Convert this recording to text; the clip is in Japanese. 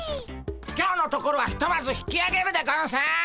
今日のところはひとまず引きあげるでゴンス！